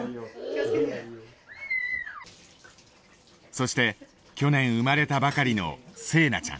そして去年生まれたばかりの彗奈ちゃん。